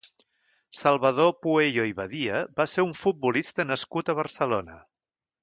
Salvador Pueyo i Badia va ser un futbolista nascut a Barcelona.